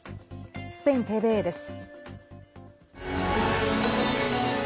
スペインＴＶＥです。